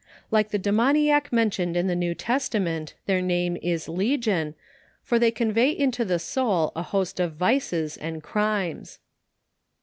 Like the demoniac mentioned in the New Testa ment, their name is " legion," for they convey into the soul a host of vices and crimes.